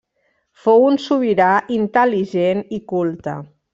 Fou un sobirà intel·ligent i culte.